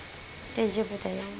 大丈夫だよ。